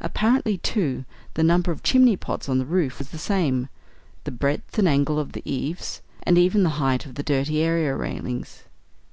Apparently, too, the number of chimney pots on the roof was the same; the breadth and angle of the eaves; and even the height of the dirty area railings.